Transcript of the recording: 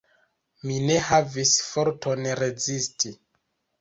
Mi ne havis forton rezisti.